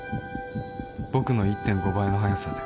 僕の １．５ 倍の速さで